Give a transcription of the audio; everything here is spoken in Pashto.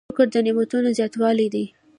شکر د نعمتونو زیاتوالی دی.